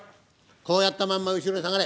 こうやったまんま後ろへ下がれ。